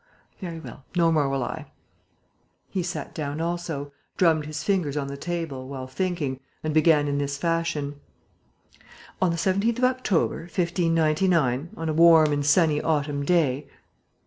Very well, no more will I." He sat down also, drummed his fingers on the table, while thinking, and began in this fashion: "On the 17th of October, 1599, on a warm and sunny autumn day